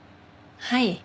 はい。